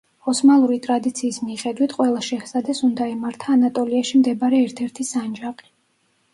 ოსმალური ტრადიციის მიხედვით, ყველა შეჰზადეს უნდა ემართა ანატოლიაში მდებარე ერთ-ერთი სანჯაყი.